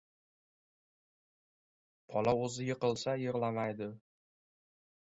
• Bola o‘zi yiqilsa, yig‘lamaydi.